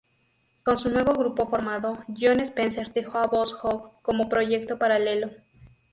Con su nuevo grupo formado, Jon Spencer dejó a Boss Hog como proyecto paralelo.